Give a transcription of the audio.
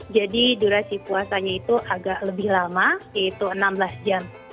jadi durasi puasanya itu agak lebih lama yaitu enam belas jam